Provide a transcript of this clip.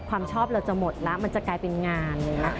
ความชอบเราจะหมดแล้วมันจะกลายเป็นงานเลยนะ